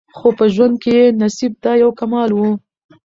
خو په ژوند کي یې نصیب دا یو کمال وو